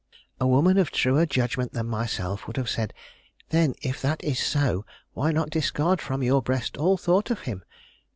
A woman of truer judgment than myself would have said: "Then, if that is so, why not discard from your breast all thought of him?